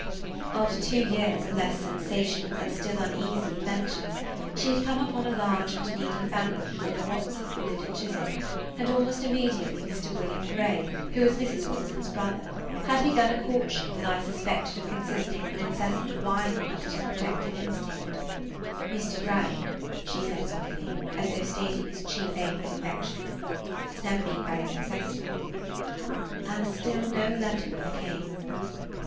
After two years of less sensational, but still uneasy, adventures, she had come upon a large and needy family called Watson who lived at Chiswick, and almost immediately Mr. William Grey, who was Mrs. Watson's brother, had begun a court [Page 106] ship that I suspected of consisting of an incessant whining up at her protective instinct. "Mr. Grey," she said softly, as though stating his chief aim to affection, "has never been very successful." And still no letter ever came.